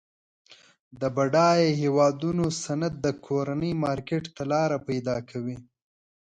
د بډایه هیوادونو صنعت د کورني مارکیټ ته لار پیداکوي.